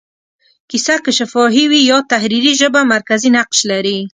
کیسه که شفاهي وي یا تحریري، ژبه مرکزي نقش لري.